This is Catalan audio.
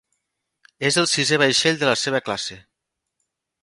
És el sisè vaixell de la seva classe.